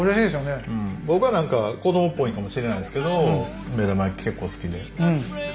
僕は何か子どもっぽいんかもしれないんですけど目玉焼き結構好きで。